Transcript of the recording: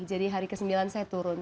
jadi hari ke sembilan saya turun